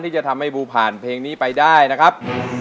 ที่จะทำให้บูผ่านเพลงนี้ไปได้นะครับ